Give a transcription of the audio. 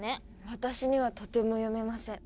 私にはとても読めません。